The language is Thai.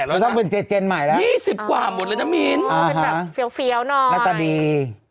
พูดต้องเป็นเจ็ดเจนใหม่ละอ๋อเป็นแบบเฟี้ยวหน่อยและตะดี